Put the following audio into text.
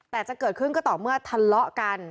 แต่จะเกิดขึ้นก็ต่อเมื่อทะเลาะกัน